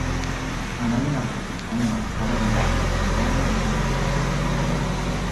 Anaien arteko hainbat eztabaidengatik konpainia desagertu egin zen.